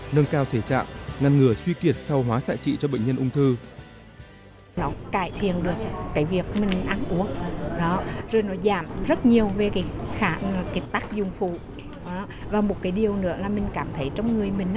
nâng cao thể trạng ngăn ngừa suy kiệt sau hóa xạ trị cho bệnh nhân ung thư